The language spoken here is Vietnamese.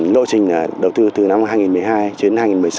lộ trình đầu tư từ năm hai nghìn một mươi hai đến hai nghìn một mươi sáu